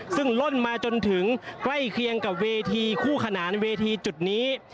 ซึ่งล่นมาจนถึงใกล้เคียงกับเวทีคู่ขนานเวทีจุดนี้